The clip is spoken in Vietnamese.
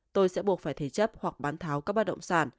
tôi sẽ buộc phải thế chấp hoặc bán tháo các bất động sản